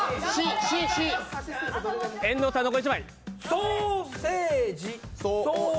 ソーセージ。